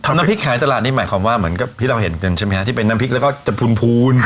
น้ำพริกขายตลาดนี่หมายความว่าเหมือนกับที่เราเห็นกันใช่ไหมฮะที่เป็นน้ำพริกแล้วก็จะพูน